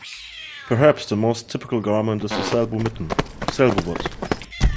Perhaps the most typical garment is the Selbu mitten, "selbuvott".